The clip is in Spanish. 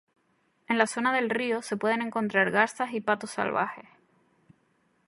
En la zona del río, se pueden encontrar garzas y patos salvajes.